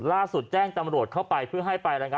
ล่าสุดแจ้งตำรวจเข้าไปเพื่อให้ไป